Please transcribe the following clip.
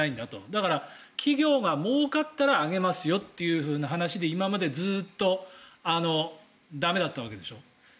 だから、企業がもうかったら上げますよという話で今までずっと駄目だったわけでしょ。